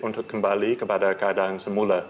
untuk kembali kepada keadaan semula